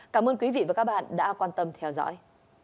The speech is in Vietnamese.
cảm ơn quý vị và các bạn đã quan tâm theo dõi